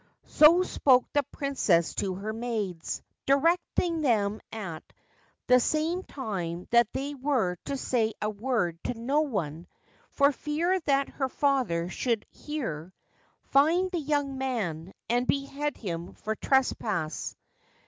' So spoke the Princess to her maids, directing them at the same time that they were to say a word to no one, for fear that her father should hear, find the young man, and behead him for trespass.